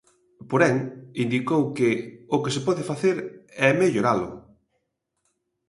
Porén, indicou que "o que se pode facer é melloralo".